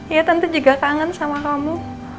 iya tentu juga kangen sama kamu